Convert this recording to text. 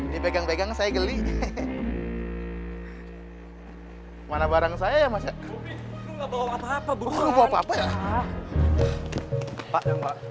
siang pak ada bagasi pak